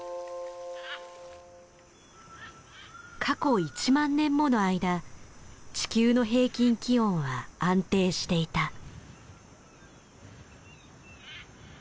過去１万年もの間地球の平均気温は安定していた。